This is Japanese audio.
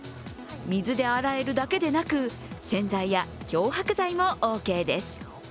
水で洗えるだけでなく洗剤や漂白剤もオーケーです。